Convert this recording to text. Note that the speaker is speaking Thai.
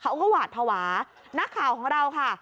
เขาก็หวาดภาวะนักข่าวของเราค่ะ